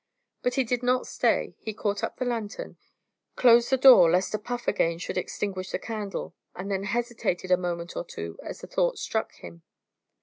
But he did not stay. He caught up the lanthorn, closed the door lest a puff again should extinguish the candle, and then hesitated a moment or two as a thought struck him.